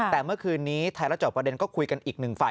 แต่เมื่อคืนนี้ไทยรัฐจอบประเด็นก็คุยกันอีกหนึ่งฝ่าย